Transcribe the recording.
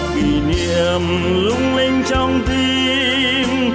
kỷ niệm lung linh trong tim